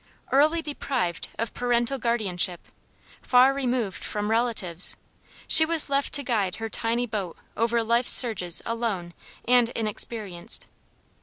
Early deprived of parental guardianship, far removed from relatives, she was left to guide her tiny boat over life's surges alone and inexperienced.